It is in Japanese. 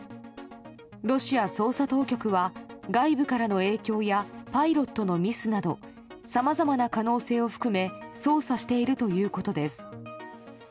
ロシア捜査当局は外部からの影響やパイロットのミスなどさまざまな可能性を含め捜査しているということです。